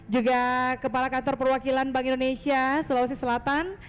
juga kepala kantor perwakilan bank indonesia sulawesi selatan